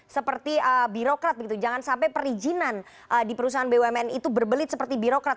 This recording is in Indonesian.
seperti birokrat begitu jangan sampai perizinan di perusahaan bumn itu berbelit seperti birokrat